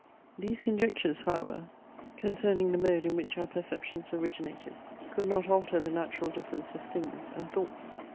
These conjectures, however, concerning the mode in which our perceptions originated, could not alter the natural difference of Things and Thoughts.